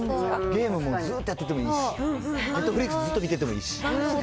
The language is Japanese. ゲームもずっとやっててもいいし、ネットフリックスずっと見ててもいいし。